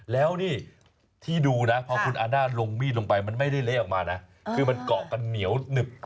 แล้วนี่ที่ดูนะพอคุณอานาลงมีดมันไม่ได้เละออกมานะคะคือมันเกาะกับเหนียวเหนื่องเติบ